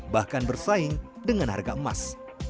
bahkan bersaing dengan harga emas